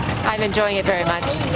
ini sangat menyenangkan saya sangat menikmati